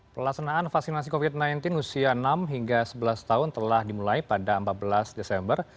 pelaksanaan vaksinasi covid sembilan belas usia enam hingga sebelas tahun telah dimulai pada empat belas desember